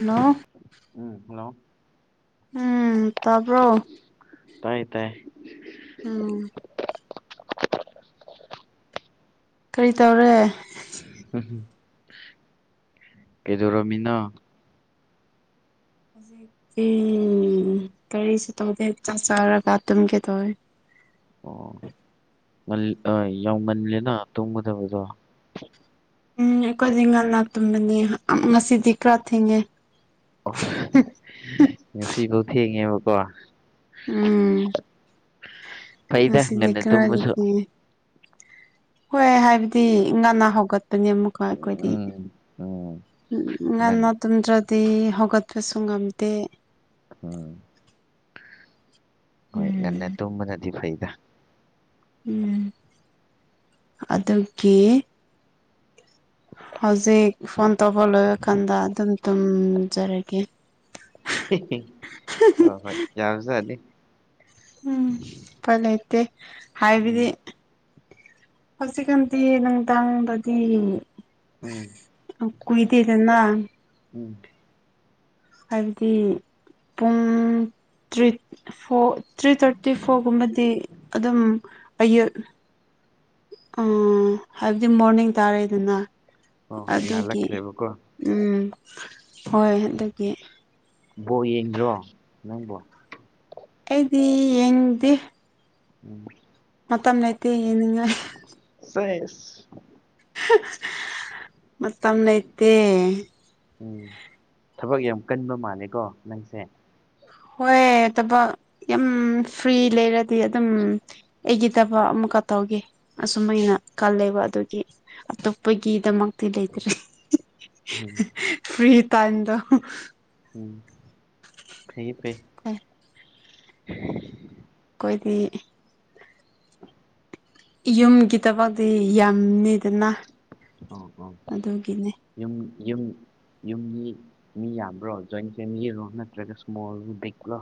hello ꯎꯝ hello ꯎꯝ ꯇꯕ꯭ꯔꯣ ꯇꯥꯏꯌꯦ ꯇꯥꯏꯌꯦ ꯎꯝ ꯀꯔꯤ ꯇꯧꯔꯦ ꯀꯩꯗꯧꯔꯝꯃꯤꯅꯣ ꯍꯧꯖꯤꯛꯇꯤ ꯀꯔꯤꯁꯨ ꯇꯧꯗꯦ ꯆꯥꯛ ꯆꯥꯔꯒ ꯇꯨꯝꯒꯦ ꯇꯧꯋꯦ ꯑꯣ ꯉꯜ ꯑ ꯌꯥꯝ ꯉꯜꯂꯦꯅ ꯇꯨꯝꯒꯗꯕꯗꯣ ꯎꯝ ꯑꯩꯈꯣꯏꯗꯤ ꯉꯥꯟꯅꯥ ꯇꯨꯝꯕꯅꯤ ꯉꯁꯤꯗꯤ ꯈꯔ ꯊꯦꯡꯉꯦ ꯑꯣ ꯉꯁꯤꯗꯣ ꯊꯦꯡꯉꯦꯕꯀꯣ ꯎꯝ ꯐꯩꯗ ꯉꯁꯤꯗꯤ ꯉꯟꯅ ꯈꯔꯗꯤ ꯇꯨꯝꯕꯁꯨ ꯊꯦꯡꯉꯦ ꯍꯣꯏ ꯍꯥꯏꯕ ꯗꯤ ꯉꯟꯅ ꯍꯧꯒꯠꯄꯅꯤ ꯑꯃꯨꯛꯀ ꯑꯩꯈꯣꯏꯗꯤ ꯎꯝ ꯎꯝ ꯉꯟ ꯉꯟꯅ ꯇꯨꯝꯗ꯭ꯔꯗꯤ ꯍꯧꯒꯠꯄꯁꯨ ꯉꯝꯗꯦ ꯎꯝ ꯍꯣꯏ ꯉꯟꯅ ꯎꯝ ꯇꯨꯝꯕꯅꯗꯤ ꯐꯩꯗ ꯎꯝ ꯑꯗꯨꯒꯤ ꯍꯧꯖꯤꯛ ꯐꯣꯟ ꯇꯧꯕ ꯂꯣꯏꯔ ꯀꯥꯟꯗ ꯑꯗꯨꯝ ꯇꯨꯝꯖꯔꯒꯦ ꯑ ꯍꯣꯏ ꯌꯥꯕꯖꯥꯠꯅꯤ ꯎꯝ ꯎꯄꯥꯏ ꯂꯩꯇꯦ ꯍꯥꯏꯕꯗꯤ ꯎꯝ ꯍꯧꯖꯤꯛꯀꯥꯟꯗꯤ ꯅꯨꯡꯗꯥꯡꯗꯗꯤ ꯎꯝ ꯑ ꯀꯨꯏꯗꯦꯗꯅꯥ ꯎꯝ ꯍꯥꯏꯕꯗꯤ ꯄꯨꯡ ꯇ꯭ꯔꯤꯠ ꯐꯣ ꯊ꯭ꯔꯤ ꯊꯥꯔꯇꯤ ꯐꯣꯔꯒꯨꯝꯕꯗꯤ ꯑꯗꯨꯝ ꯑꯌꯨꯛ ꯑ ꯍꯥꯏꯕꯗꯤ ꯃꯣꯔꯅꯤꯡ ꯇꯥꯔꯦꯗꯅꯥ ꯍꯣꯏ ꯍꯣꯏ ꯑꯗꯨꯒꯤ ꯉꯥꯜꯂꯛꯈ꯭ꯔꯦꯕꯀꯣ ꯎꯝ ꯍꯣꯏ ꯑꯗꯨꯒꯤ ꯕꯣꯜ ꯌꯦꯡꯗ꯭ꯔꯣ ꯅꯪꯕꯣ ꯑꯩꯗꯤ ꯌꯦꯡꯗꯦ ꯎꯝ ꯃꯇꯝ ꯂꯩꯇꯦ ꯌꯦꯡꯅꯤꯡꯉꯥꯏ ꯁꯦꯁ ꯃꯇꯝ ꯂꯩꯇꯦ ꯎꯝ ꯊꯕꯛ ꯌꯥꯝ ꯀꯟꯕ ꯃꯥꯜꯂꯦꯀꯣ ꯅꯪꯁꯦ ꯍꯣꯏ ꯂꯩꯇꯕ ꯌꯥꯝ ꯐ꯭ꯔꯤ ꯂꯩꯔꯗꯤ ꯑꯗꯨꯝ ꯑꯩꯒꯤ ꯊꯕꯛ ꯑꯃ ꯈꯛ ꯇꯧꯒꯦ ꯑꯁꯨ ꯑꯩꯅ ꯈꯜꯂꯦꯕ ꯑꯗꯨꯒꯤ ꯑꯇꯣꯞꯄꯒꯤꯗꯃꯛ ꯂꯩꯇ꯭ꯔꯦ ꯎꯝ ꯐ꯭ꯔꯤ ꯇꯥꯏꯝꯗꯣ ꯎꯝ ꯐꯩ ꯐꯩ ꯑꯩꯈꯣꯏꯗꯤ ꯌꯨꯝꯒꯤꯊꯕꯛꯇꯤ ꯌꯥꯝꯅꯤꯗ ꯑ ꯍ ꯌꯨꯝ ꯌꯨꯝ ꯌꯨꯝ ꯃꯤ ꯃꯤ ꯌꯥꯝꯕ꯭ꯔꯣ ꯖꯣꯏꯟ ꯐꯦꯝꯂꯤꯔꯣ ꯅꯠꯇ꯭ꯔꯥꯒ ꯁ꯭ꯃꯣꯜ ꯕꯤꯛꯂꯣ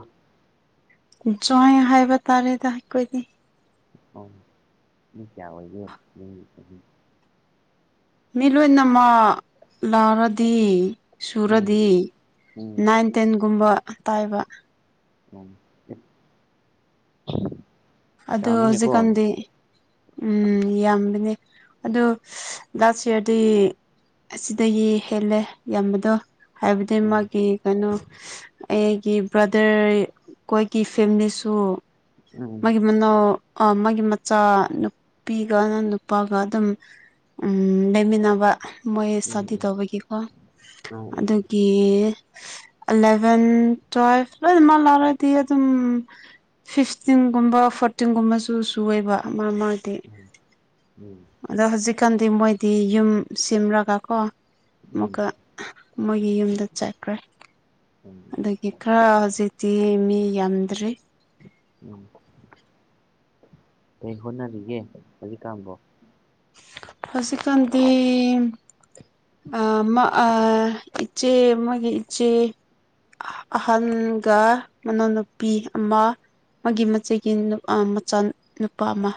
ꯖꯣꯏꯟ ꯍꯥꯏꯕ ꯇꯥꯔꯦꯗ ꯑꯩꯈꯣꯏꯗꯤ ꯑꯣ ꯃꯤ ꯀꯌꯥ ꯑꯣꯏꯒꯦ ꯅꯣꯏꯒꯤ ꯃꯤ ꯂꯣꯏꯅꯃꯛ ꯌꯥꯎꯔꯗꯤ ꯎꯝ ꯁꯨꯔꯗꯤ ꯎꯝ ꯅꯥꯏꯟ ꯇꯦꯟꯒꯨꯝꯕ ꯄꯥꯏꯕ ꯑꯣ ꯑꯗꯣ ꯍꯧꯖꯤꯛꯀꯥꯟꯗꯤ ꯎꯝ ꯌꯥꯝꯕꯅꯦ ꯑꯗꯣ ꯂꯥꯁ ꯏꯌꯔꯗꯤ ꯑꯁꯤꯗꯒꯤ ꯍꯦꯜꯂꯦ ꯌꯥꯝꯕꯗꯣ ꯍꯥꯏꯕꯗꯤ ꯎꯝ ꯃꯥꯒꯤ ꯀꯩꯅꯣ ꯑꯩꯒꯤ ꯕ꯭ꯔꯗꯔ ꯈꯣꯏꯒꯤ ꯐꯦꯝꯂꯤꯁꯨ ꯎꯝ ꯃꯥꯒꯤ ꯃꯅꯥꯎ ꯑꯥ ꯃꯥꯒꯤ ꯃꯆꯥ ꯅꯨꯄꯤꯒ ꯅꯨꯄꯥꯒ ꯑꯗꯨꯝ ꯎꯝ ꯂꯩꯃꯤꯟꯅꯕ ꯃꯣꯏ ꯎꯝ ꯎꯝ ꯁꯥꯗꯤ ꯎꯝ ꯇꯧꯕꯒꯤꯀꯣ ꯎꯝ ꯎꯝ ꯑꯗꯨ ꯀꯤ ꯑꯦꯂꯚꯦꯟ ꯇꯨꯋꯦꯜꯐ ꯂꯣꯏꯅꯃꯛ ꯂꯧꯔꯗꯤ ꯑꯗꯨꯝ ꯐꯤꯐ ꯊꯥꯔꯇꯤꯟꯒꯨꯝꯕ ꯐꯣꯔꯇꯤꯟꯒꯨꯝꯕꯁꯨ ꯁꯨꯏꯕ ꯃꯥ ꯃꯥꯗꯤ ꯎꯝ ꯑꯗꯣ ꯍꯧꯖꯤꯛꯀꯥꯟꯗꯤ ꯃꯣꯏꯗꯤ ꯌꯨꯝ ꯁꯦꯝꯂꯒꯀꯣ ꯎꯝ ꯎꯝ ꯑꯃꯨꯛꯀ ꯃꯣꯏꯒꯤ ꯌꯨꯝꯗ ꯆꯠꯀꯈ꯭ꯔꯦ ꯎꯝ ꯑꯗꯨꯒꯤ ꯈꯔ ꯍꯧꯖꯤꯛꯇꯤ ꯃꯤ ꯌꯥꯝꯗ꯭ꯔꯤ ꯎꯝ ꯀꯩ ꯍꯣꯠꯅꯔꯤꯒꯦ ꯍꯧꯖꯤꯛ ꯀꯥꯟꯕꯣ ꯍꯧꯖꯤꯛꯀꯥꯟꯗꯤ ꯑꯥ ꯃ ꯑꯥ ꯏꯆꯦ ꯑꯃꯒꯤ ꯏꯆꯦ ꯑꯍꯟꯒ ꯃꯅꯥꯎꯅꯨꯄꯤ ꯑꯃ ꯃꯥꯒꯤ ꯃꯆꯦꯒꯤ ꯅꯨ ꯑꯥ ꯃꯆꯥ ꯅꯨꯄꯥ ꯑꯃ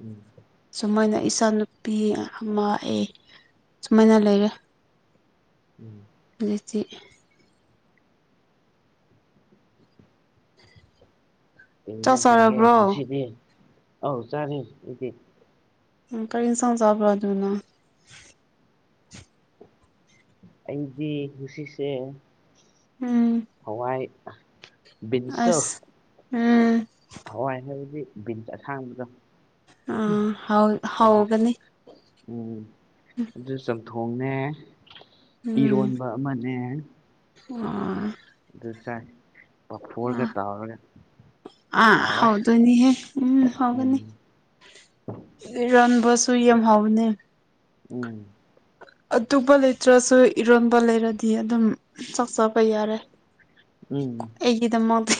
ꯎꯝ ꯁꯨꯃꯥꯏꯅ ꯑꯩ ꯏꯆꯥ ꯅꯨꯨꯄꯤ ꯑꯃ ꯑꯦ ꯁꯨꯃꯥꯏꯅ ꯂꯩꯔꯦ ꯎꯝ ꯍꯧꯖꯤꯛꯇꯤ ꯀꯩ ꯆꯥꯛ ꯏꯟꯖꯥꯡ ꯆꯥꯒꯦ ꯆꯥꯔꯕ꯭ꯔꯣ ꯉꯁꯤꯗꯤ ꯑꯥꯎ ꯆꯥꯔꯦ ꯅꯣꯏꯗꯤ ꯑ ꯀꯔꯤ ꯏꯟꯁꯥꯡ ꯆꯥꯕ꯭ꯔꯥ ꯑꯗꯨ ꯅꯪ ꯑꯩꯗꯤ ꯉꯥꯁꯤꯁꯦ ꯎꯝ ꯍꯋꯥꯏ ꯕꯤꯟꯁꯇꯣ ꯑꯁ ꯎꯝ ꯍꯋꯥꯏ ꯍꯥꯗꯤ ꯕꯤꯟꯁ ꯑꯁꯥꯡꯕꯗꯣ ꯑꯥ ꯍꯥꯎ ꯑꯗꯨ ꯍꯥꯎꯕꯅꯤ ꯎꯝ ꯑꯗꯨ ꯆꯝꯊꯣꯡꯅꯦ ꯏꯔꯣꯟꯕ ꯑꯃꯅꯦ ꯑꯣ ꯗꯨ ꯆꯥꯏ ꯄꯥꯐꯣꯔꯒ ꯑꯥ ꯇꯥꯎꯔꯒ ꯑꯥ ꯍꯥꯎꯔꯦ ꯍꯥꯎꯗꯣꯏꯅꯤꯍꯦ ꯎꯝ ꯎꯝ ꯍꯥꯎꯒꯅꯤ ꯏꯔꯣꯟꯕꯁꯨ ꯌꯥꯝ ꯍꯥꯎꯕꯅꯦ ꯎꯝ ꯑꯇꯣꯞꯄ ꯂꯩꯇ꯭ꯔꯁꯨ ꯏꯔꯣꯟꯕ ꯂꯩꯔꯗꯤ ꯑꯗꯨꯝ ꯆꯥꯛ ꯆꯥ ꯄ ꯌꯥꯔꯦ ꯎꯝ ꯑꯩꯒꯤꯗꯃꯛꯇꯤ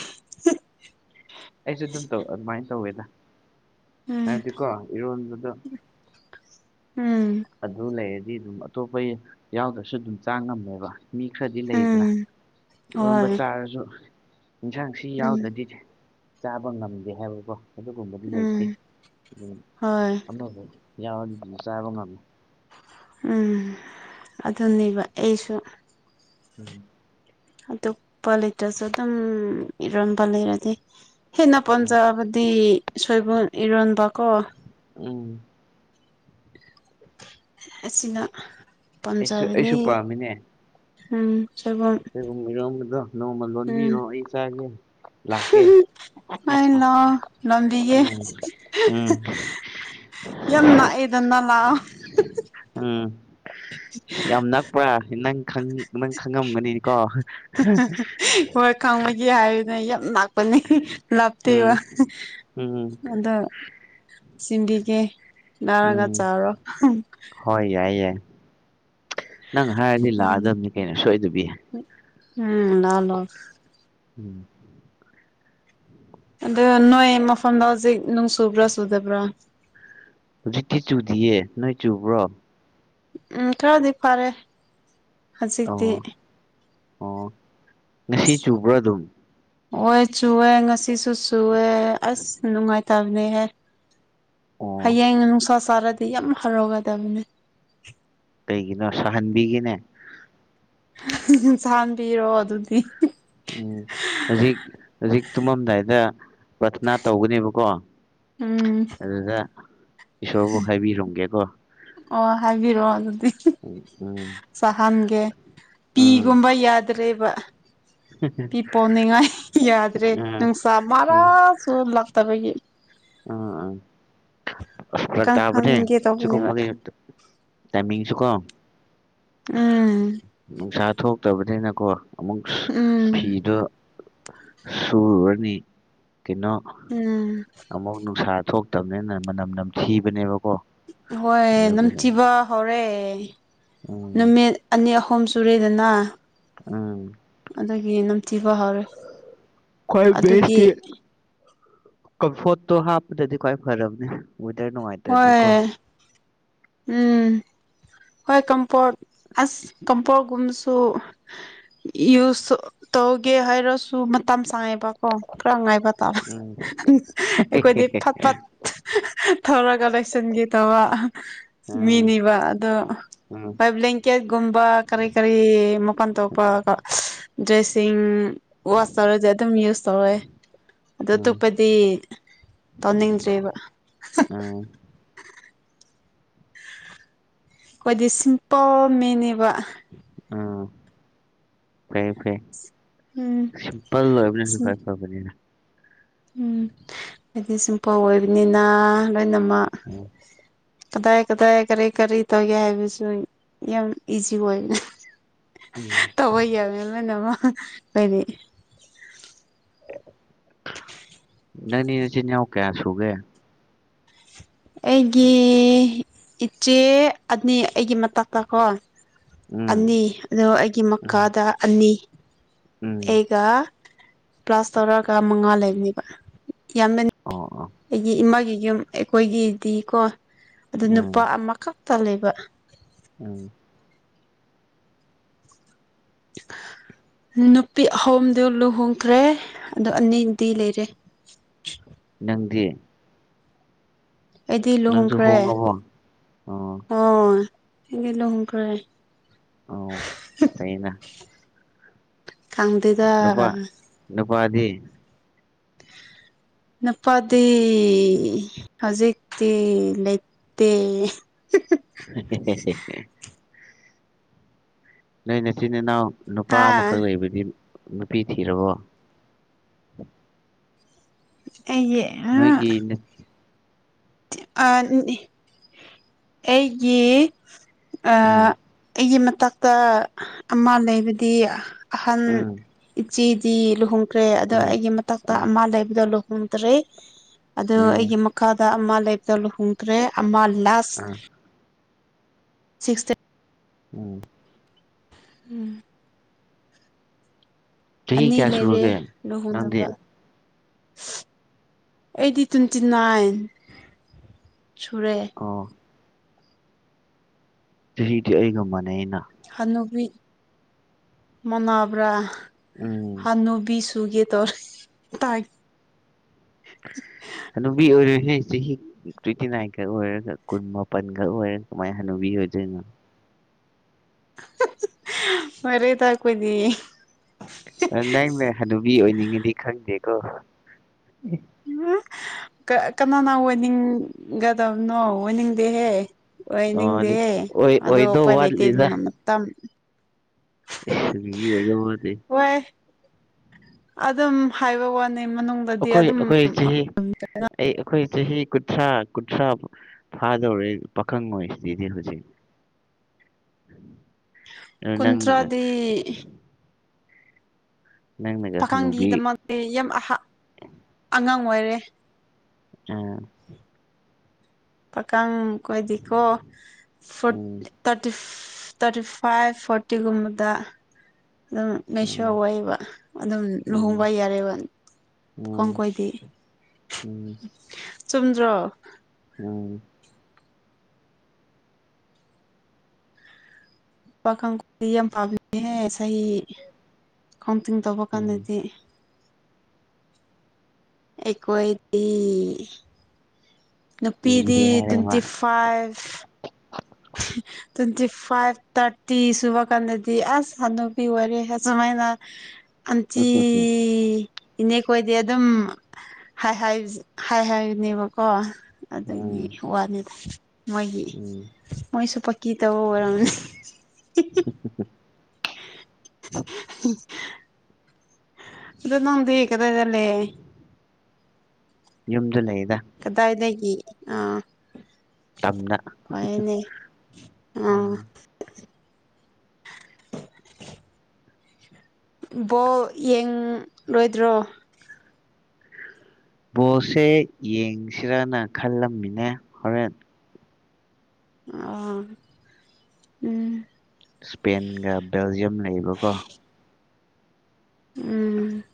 ꯑꯩꯁꯨ ꯑꯗꯨꯝ ꯇꯧ ꯑꯗꯨꯃꯥꯏꯅ ꯇꯧꯋꯦꯗ ꯎꯝ ꯍꯥꯏꯕꯗꯤꯀꯣ ꯏꯔꯣꯟꯕꯗꯣ ꯎꯝ ꯑꯗꯨ ꯂꯩꯔꯗꯤ ꯑꯗꯨꯝ ꯑꯇꯣꯞꯄ ꯌꯥꯎꯗ꯭ꯔꯁꯨ ꯑꯗꯨꯝ ꯆꯥ ꯉꯝꯃꯦꯕ ꯃꯤ ꯈꯔꯗꯤ ꯂꯩꯗꯅꯥ ꯎꯝ ꯏꯔꯣꯟꯕ ꯍꯣꯏ ꯆꯔꯥꯁꯨ ꯏꯟꯁꯥꯡꯁꯤ ꯁꯤ ꯎꯝ ꯌꯥꯎꯗ꯭ꯔꯗꯤ ꯆꯥꯕ ꯉꯝꯗꯦ ꯍꯥꯏꯕꯀꯣ ꯑꯗꯨꯒꯨꯝꯕꯗꯤ ꯂꯩꯇꯦ ꯎꯝ ꯑꯗꯨ ꯍꯣꯏ ꯑꯃ ꯃꯨꯛ ꯌꯥꯎꯔꯒꯗꯤ ꯆꯥꯕ ꯉꯝꯃꯦ ꯎꯝ ꯑꯗꯨꯅꯦꯕ ꯑꯩꯁꯨ ꯎꯝ ꯅꯇꯣꯄꯞ ꯂꯩꯇ꯭ꯔꯁꯨ ꯑꯗꯨꯝ ꯍꯔꯣꯟꯕ ꯂꯩꯔꯗꯤ ꯍꯦꯟꯅ ꯎꯝ ꯄꯥꯝꯖꯕꯗꯤ ꯁꯣꯏꯕꯨꯝ ꯏꯔꯣꯟꯕꯀꯣ ꯎꯝ ꯑꯁꯤꯅ ꯑꯩꯁꯨ ꯑꯩꯁꯨ ꯄꯥꯝꯖꯔꯅꯤ ꯄꯥꯝꯃꯤꯅꯦ ꯎꯝ ꯆꯣꯏꯕꯨꯝ ꯁꯣꯏꯕꯨꯝ ꯏꯔꯣꯟꯕꯗꯣ ꯅꯣꯡꯃ ꯂꯣꯟꯕꯤꯑꯣ ꯑꯩ ꯆꯥꯒꯦ ꯂꯥꯛꯀꯦ ꯂꯥꯛꯑꯣ ꯂꯣꯟꯕꯤꯒꯦ ꯎꯝ ꯎꯝ ꯌꯥꯝ ꯅꯛꯑꯦꯗꯅ ꯂꯥꯛꯑꯣ ꯎꯝ ꯌꯥꯝ ꯅꯛꯄ꯭ꯔꯥ ꯅꯪ ꯅꯪ ꯈꯪꯉꯝꯒꯅꯤ ꯀꯣ ꯍꯥꯏꯕꯅꯦ ꯌꯥꯝ ꯅꯛꯄꯅꯦ ꯂꯥꯞꯇꯦꯕ ꯎꯝ ꯎꯝ ꯑꯗꯣ ꯆꯤꯟꯕꯤꯒꯦ ꯂꯧꯔꯥꯒ ꯎꯝ ꯆꯔꯣ ꯍꯣꯏ ꯌꯥꯏ ꯌꯥꯏ ꯅꯪ ꯍꯥꯏꯔꯗꯤ ꯂꯥꯛꯑꯗꯕꯅꯤ ꯀꯩꯅꯣ ꯁꯣꯏꯗꯕꯤ ꯍꯣꯏ ꯎꯝ ꯂꯥꯛꯑꯣ ꯂꯥꯛꯑꯣ ꯎꯝ ꯑꯗꯣ ꯅꯣꯏ ꯃꯐꯝꯗꯣ ꯍꯧꯖꯤꯛ ꯅꯣꯡ ꯆꯨꯕ꯭ꯔꯣ ꯆꯨꯗꯕ꯭ꯔꯥ ꯍꯧꯖꯤꯛꯇꯤ ꯆꯨꯗꯦꯌꯦ ꯅꯣꯏ ꯆꯨꯕ꯭ꯔꯣ ꯎꯝ ꯈꯔꯗꯤ ꯐꯔꯦ ꯍꯥꯖꯤꯛꯇꯤ ꯑꯣ ꯑꯣ ꯉꯁꯤ ꯆꯨꯕ꯭ꯔꯥ ꯑꯗꯨꯝ ꯍꯣꯏ ꯆꯨꯌꯦ ꯉꯁꯤꯁꯨ ꯆꯨꯌꯦ ꯑꯁ ꯅꯨꯡꯉꯥꯏꯇꯕ ꯍꯦ ꯑꯣ ꯍꯌꯦꯡ ꯅꯨꯡꯁꯥ ꯁꯥꯔꯗꯤ ꯌꯥꯝ ꯍꯔꯥꯎꯒꯗꯕꯅꯦ ꯀꯩꯒꯤꯅꯣ ꯁꯥꯍꯟꯕꯤꯒꯦꯅꯦ ꯁꯍꯥꯟꯕꯤꯔꯣ ꯑꯗꯨꯗꯤ ꯎꯝ ꯍꯧꯖꯤꯛ ꯍꯧꯖꯤꯛ ꯇꯨꯝꯃꯝꯗꯥꯏꯗ ꯄꯔꯊꯅꯥ ꯇꯧꯒꯅꯤꯕꯀꯣ ꯎꯝ ꯑꯗꯨꯗ ꯏꯁꯣꯔꯕꯨ ꯍꯥꯏꯕꯤꯔꯝꯒꯦꯀꯣ ꯑꯣ ꯍꯥꯏꯕꯤꯔꯣ ꯑꯗꯨꯗꯤ ꯎꯝ ꯅꯪ ꯁꯍꯟꯒꯦ ꯄꯤꯒꯨꯝꯕ ꯌꯥꯗ꯭ꯔꯦꯕ ꯍꯤ ꯄꯤ ꯄꯣꯟꯅꯤꯡꯉꯥꯏ ꯌꯥꯗ꯭ꯔꯦ ꯅꯨꯡꯁꯥ ꯃꯔꯥꯁꯨ ꯂꯛꯇꯕꯒꯤ ꯑꯥ ꯑꯥ ꯑꯁ ꯐꯔꯛ ꯇꯥꯕꯅꯦ ꯀꯪꯍꯟꯒꯦ ꯇꯧꯕꯅꯦꯕ ꯁꯤꯀꯨꯝꯕꯒꯤ ꯇꯥꯏꯃꯤꯡꯁꯨꯀꯣ ꯎꯝ ꯅꯨꯡꯁꯥ ꯊꯣꯛꯇꯕꯅꯤꯅꯀꯣ ꯑꯃꯨꯛ ꯎꯝ ꯐꯤꯗꯣ ꯁꯨꯔꯨꯔꯅꯤ ꯀꯩꯅꯣ ꯎꯝ ꯑꯃꯨꯛ ꯅꯨꯡꯁꯥ ꯊꯣꯛ ꯇꯝꯅꯦꯅ ꯃꯅꯝ ꯅꯝꯊꯤꯕꯅꯦꯕꯀꯣ ꯍꯣꯏ ꯑꯗꯨꯒꯤ ꯅꯝꯊꯤꯕ ꯍꯧꯔꯦ ꯎꯝ ꯅꯨꯃꯤꯠ ꯑꯅꯤ ꯑꯍꯨ ꯍꯨꯝ ꯁꯨꯔꯦꯗꯅ ꯎꯝ ꯑꯗꯨꯒꯤ ꯅꯝꯊꯤꯕ ꯍꯧꯔꯦ ꯈ꯭ꯋꯥꯏ ꯑꯗꯨꯒꯤ ꯕꯦꯁꯇꯤ ꯀꯝꯐꯣꯔꯠꯇꯣ ꯍꯥꯞꯄꯗꯗꯤ ꯈ꯭ꯋꯥꯏ ꯐꯔꯕꯅꯦ ꯋꯦꯗꯔ ꯅꯨꯡꯉꯥꯏꯇ꯭ꯔꯗꯤ ꯍꯣꯏ ꯀꯣ ꯎꯝ ꯍꯣꯏ ꯀꯝꯄꯣꯔꯠ ꯑꯁ ꯀꯝꯄꯣꯔꯠ ꯒꯨꯝꯕꯁꯨ ꯌꯨꯁꯨ ꯇꯧꯒꯦ ꯍꯥꯏꯔꯁꯨ ꯃꯇꯝ ꯁꯥꯡꯉꯦꯕꯀꯣ ꯈꯔ ꯉꯥꯏꯕ [unintelligible] ꯎꯝ ꯑꯩꯈꯣꯏꯗꯤ ꯐꯠ ꯐꯠ ꯊꯧꯔꯒ ꯂꯣꯏꯁꯤꯟꯒꯦ ꯇꯧꯕ ꯎꯝ ꯃꯤꯅꯤꯕ ꯑꯗꯣ ꯎꯝ ꯍꯣꯏ ꯕ꯭ꯂꯦꯡꯀꯦꯠ ꯒꯨꯝꯕ ꯀꯔꯤ ꯀꯔꯤ ꯃꯄꯥꯟ ꯊꯣꯛꯄ ꯀꯣ ꯗ꯭ꯔꯦꯁꯤꯡ ꯋꯥꯁ ꯇꯧꯔꯁꯦ ꯑꯗꯨꯝ ꯌꯨꯁ ꯇꯧꯔꯦ ꯑꯗꯨ ꯎꯝ ꯑꯇꯣꯞꯄꯗꯤ ꯇꯧꯅꯤꯡꯗ꯭ꯔꯦꯕ ꯑꯥ ꯑꯩꯈꯣꯏꯗꯤ ꯁꯤꯝꯄꯜ ꯃꯤꯅꯦꯕ ꯑꯥ ꯐꯩꯌꯦ ꯐꯩꯌꯦ ꯎꯝ ꯁꯤꯝꯄꯜ ꯑꯣꯏꯕꯅꯁꯨ ꯐꯩ ꯐꯕꯅꯤꯅ ꯎꯝ ꯑꯩꯗꯤ ꯁꯤꯝꯄꯜ ꯑꯣꯏꯕꯅꯤꯅ ꯂꯣꯏꯅꯃꯛ ꯎꯝ ꯀꯗꯥꯏ ꯀꯗꯥꯏ ꯀꯔꯤ ꯀꯔꯤ ꯇꯧꯒꯦ ꯍꯥꯏꯕꯁꯨ ꯌꯥꯝ ꯏꯖꯤ ꯑꯣꯏꯕꯅꯦ ꯎꯝ ꯇꯧꯕ ꯌꯥꯕꯅꯤ ꯂꯣꯏꯅꯃꯛ ꯑꯩꯗꯤ ꯅꯪꯗꯤ ꯅꯆꯤꯟ ꯅꯅꯥꯎ ꯀꯌꯥ ꯁꯨꯒꯦ ꯑꯩꯒꯤ ꯏꯆꯦ ꯑꯅꯤ ꯑꯩꯒꯤ ꯃꯇꯛꯇ ꯀꯣ ꯎꯝ ꯑꯅꯤ ꯑꯗꯨꯒ ꯑꯩꯒꯤ ꯎꯝ ꯃꯈꯥꯗ ꯑꯅꯤ ꯎꯝ ꯑꯩꯒ ꯄ꯭ꯂꯥꯁ ꯇꯧꯔꯒ ꯃꯉꯥ ꯂꯩꯕꯅꯦꯕ ꯌꯥꯝꯃꯦꯟ ꯑꯣ ꯑꯣ ꯑꯩꯒꯤ ꯏꯃꯥꯒꯤ ꯌꯨꯝ ꯑꯩꯈꯣꯏꯒꯤꯗꯤꯀꯣ ꯑꯗꯨ ꯅꯨꯄꯥ ꯎꯝ ꯑꯃꯈꯛꯇ ꯂꯩꯕ ꯎꯝ ꯅꯨꯄꯤ ꯑꯍꯨꯝꯗꯨ ꯂꯨꯍꯣꯡꯈ꯭ꯔꯦ ꯑꯗꯨ ꯑꯅꯤꯗꯤ ꯂꯩꯔꯦ ꯅꯪꯗꯤ ꯑꯩꯗꯤ ꯅꯪꯁꯨ ꯂꯨꯍꯣꯡꯈ꯭ꯔꯦ ꯍꯣꯡꯉꯕꯣ ꯑꯣ ꯑꯩꯗꯤ ꯂꯨꯍꯣꯡꯈ꯭ꯔꯦ ꯑꯣ ꯐꯩꯌꯦꯅ ꯈꯪꯗꯦꯗ ꯅꯨꯄꯥ ꯅꯨꯄꯥꯗꯤ ꯅꯨꯄꯥꯗꯤ ꯍꯧꯖꯤꯛꯇꯤ ꯂꯩ ꯇꯦ ꯍꯦ ꯍꯦ ꯅꯣꯏ ꯅꯆꯤꯟ ꯅꯅꯥꯎ ꯅꯨꯄꯥ ꯍꯥ ꯑꯃꯈꯛ ꯂꯩꯕꯗꯤ ꯅꯨꯄꯤ ꯊꯤꯔꯕꯣ ꯑꯩꯒꯤ ꯅꯣꯏꯒꯤ [unintelligible] ꯑꯩꯒꯤ ꯑꯥ ꯎꯝ ꯑꯩꯒꯤ ꯃꯇꯛꯇ ꯑꯃ ꯂꯩꯕꯗꯤ ꯑꯍꯟ ꯎꯝ ꯏꯆꯦꯗꯤ ꯂꯨꯍꯣꯡꯈ꯭ꯔꯦ ꯑꯗꯣ ꯎꯝ ꯑꯩꯒꯤ ꯃꯇꯛꯇ ꯎꯝ ꯑꯃ ꯂꯩꯕꯗꯣ ꯂꯨꯍꯣꯡꯗ꯭ꯔꯦ ꯑꯗꯣ ꯎꯝ ꯑꯩꯒꯤ ꯃꯈꯥꯗ ꯑꯃ ꯂꯩꯕꯗꯣ ꯂꯨꯍꯣꯡꯈ꯭ꯔꯦ ꯑꯃ ꯂꯥꯁ ꯑꯥ ꯁꯤꯁꯇꯦ ꯎꯝ ꯎꯝ ꯆꯍꯤ ꯑꯅꯤ ꯀꯌꯥ ꯂꯩꯔꯦ ꯁꯨꯔꯒꯦ ꯅꯪꯗꯤ ꯂꯨꯍꯣꯡꯗꯕ ꯑꯩꯗꯤ ꯇ꯭ꯋꯦꯟꯇꯤ ꯅꯥꯏꯟ ꯁꯨꯔꯦ ꯑꯣ ꯆꯍꯤꯗꯤ ꯑꯩꯒ ꯃꯥꯟꯅꯩꯅ ꯍꯅꯨꯕꯤ ꯃꯥꯟꯅꯕ꯭ꯔꯥ ꯎꯝ ꯁꯅꯨꯕꯤ ꯁꯨꯒꯦ ꯇꯧꯔꯦ ꯇꯥꯏ ꯍꯅꯨꯕꯤ ꯑꯣꯏꯔꯣꯏꯍꯦ ꯆꯍꯤ ꯇ꯭ꯋꯦꯟꯇꯤ ꯅꯥꯏꯟꯈꯛ ꯑꯣꯏꯔꯒ ꯀꯨꯟ ꯃꯥꯄꯟꯈꯛ ꯑꯣꯏꯔꯒ ꯀꯃꯥꯏ ꯍꯟꯅꯨꯕꯤ ꯑꯣꯏꯗꯣꯏꯅꯣ ꯐꯔꯦꯗꯥ ꯑꯩꯈꯣꯏꯗꯤ ꯅꯪꯅ ꯍꯟꯅꯨꯕꯤ ꯑꯣꯏꯅꯤꯡꯉꯗꯤ ꯈꯪꯇꯦꯀꯣ ꯎꯝ ꯀꯥ ꯀꯅꯥꯅ ꯑꯣꯏꯅꯤꯡꯒ ꯗꯝꯅꯣ ꯑꯣꯏꯅꯤꯡ ꯗꯦꯍꯦ ꯑꯣ ꯑꯣꯏꯍꯟꯅꯤꯡꯗꯦ ꯑꯣꯏ ꯍꯦ ꯑꯗꯣ ꯑꯣꯏꯗꯧ ꯎꯄꯥꯏꯂꯩꯇꯦ ꯋꯥꯠꯂꯤꯗ ꯗꯨꯅꯃꯨꯛ ꯇꯝ [unintelligible] ꯑꯣꯏꯕ ꯋꯥꯗꯦ ꯋꯥꯏ ꯑꯗꯨꯝ ꯍꯥꯏꯕ ꯋꯥꯅꯤ ꯃꯅꯨꯡ ꯑꯩꯈꯣꯏ ꯑꯩꯈꯣꯏ ꯆꯍꯤ ꯑꯩ ꯑꯩꯈꯣꯏ ꯆꯍꯤ ꯀꯨꯟꯊ꯭ꯔꯥ ꯀꯨꯟꯊ꯭ꯔꯥꯕꯨ ꯐꯥꯗꯧꯔꯦ ꯄꯈꯪ ꯑꯣꯏꯁꯤꯗꯤ ꯑꯩꯗꯤ ꯍꯧꯖꯤꯛ [unintelligible] ꯅꯪꯅꯗꯟ ꯀꯨꯟꯊ꯭ꯔꯥꯗꯤ ꯍꯅꯨꯕꯤ ꯄꯥꯈꯪꯒꯤꯗꯃꯛꯇꯤ ꯌꯥꯝ ꯑꯍꯥ ꯑꯉꯥꯡ ꯑꯣꯏꯔꯦ ꯑꯣ [inaudible] ꯄꯥꯈꯪ ꯈꯣꯏꯗꯤ ꯀꯣ ꯐꯣꯔꯠ ꯎꯝ ꯇꯥꯇꯤꯞ ꯇꯥꯔꯇꯤꯞ ꯐꯥꯏꯚ ꯐꯣꯔꯇꯤꯒꯨꯝꯕꯗ ꯑꯗꯨꯝ ꯃꯦꯆꯣꯔ ꯎꯝ ꯑꯣꯏꯌꯦꯕ ꯑꯗꯨꯝ ꯎꯝ ꯂꯨꯍꯣꯡꯕ ꯌꯥꯔꯦꯕꯥ ꯍꯣꯡ ꯎꯝ ꯀꯣꯏꯗꯤ ꯎꯝ ꯆꯨꯝꯗ꯭ꯔꯣ ꯎꯝ ꯄꯥꯈꯪꯈꯣꯏ ꯌꯥꯝ ꯄꯥꯕꯅꯦꯍꯦ ꯆꯍꯤ ꯀꯥꯎꯟꯇꯤꯡ ꯇꯧꯕ ꯎꯝ ꯀꯥꯟꯗꯗꯤ ꯑꯩꯀꯣꯏꯗꯤ ꯅꯨꯄꯤꯗꯤ ꯂꯤꯔꯦ ꯍꯥꯏꯔꯦ ꯃꯥ twenty five twenty five thirty ꯁꯨꯕ ꯀꯥꯟꯗꯗꯤ ꯑꯁ ꯍꯥꯟꯅꯨꯕꯤ ꯑꯣꯏꯔꯦꯍꯦ ꯑꯁꯨꯃꯥꯏꯅ ꯑꯟꯇꯤ ꯎꯝ ꯏꯅꯦ ꯀꯣꯏꯗꯤ ꯑꯗꯨꯝ ꯍꯥꯏ ꯍꯥꯏꯕꯖ ꯍꯥꯏ ꯍꯥꯏꯕꯅꯦꯕꯀꯣ ꯑꯗꯒꯤ ꯋꯥꯅꯤꯗ ꯃꯣꯏꯒꯤ ꯎꯝ ꯃꯣꯏꯁꯨ ꯄꯀꯤ ꯇꯧꯕ ꯑꯣꯏꯔꯝꯅꯤ [unintelligible] [unintelligible] ꯑꯗꯨ ꯅꯪꯗꯤ ꯀꯗꯥꯏꯗ ꯂꯩꯌꯦ ꯌꯨꯝꯗ ꯂꯩꯌꯦꯗ ꯀꯗꯥꯏꯗꯒꯤ ꯑꯣ ꯇꯝꯗ ꯐꯩꯌꯦꯅꯦ ꯑ ꯎꯝ ꯕꯣꯜ ꯌꯦꯡꯂꯣꯢ ꯗ꯭ꯔꯣ ꯕꯣꯜꯁꯦ ꯌꯦꯡꯁꯤꯔꯅ ꯈꯜꯂꯝꯃꯤꯅꯦ ꯍꯣꯔꯦꯟ ꯑꯥ ꯎꯝ ꯁ꯭ꯄꯦꯟꯒ ꯕꯦꯜꯖꯤꯌꯝ ꯂꯩꯕꯀꯣ ꯎꯝ